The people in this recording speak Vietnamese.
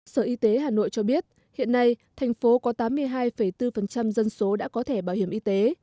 sở y tế hà nội cho biết hiện nay thành phố có tám mươi hai bốn dân số đã có thẻ bảo hiểm y tế